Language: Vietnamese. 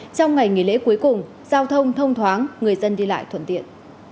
trong ngày nghỉ lễ cuối cùng giao thông thông thoáng người dân đi lại thuận tiện